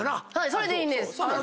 それでいいんです。